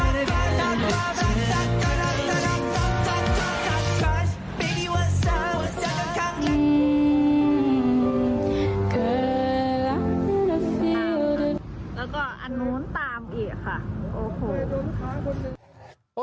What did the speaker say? แล้วก็อันนู้นตามอีกค่ะ